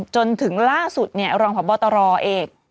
จนถึงล่าสุดเนี่ยรองพบตรเอก